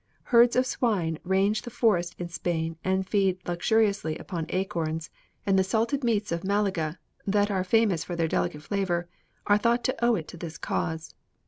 Herds of swine range the forests in Spain and feed luxuriously upon acorns, and the salted meats of Malaga, that are famous for their delicate flavor, are thought to owe it to this cause.